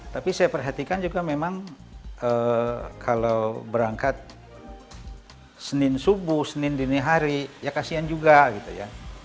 tapi saya perhatikan juga memang kalau berangkat senin subuh senin dini hari ya kasihan juga gitu ya